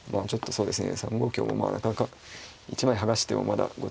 そうですね。